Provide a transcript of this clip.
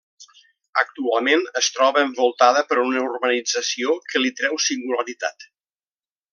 Actualment es troba envoltada per una urbanització, que li treu singularitat.